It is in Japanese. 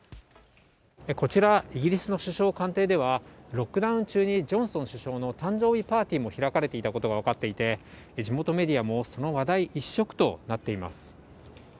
ここ、イギリスの首相官邸ではロックダウン中にジョンソン首相の誕生日パーティーが開かれていたことも分かっていて、地元メディアもその話題一色となっています。